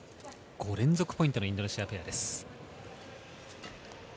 ５連続ポイントのインドネシアペアです。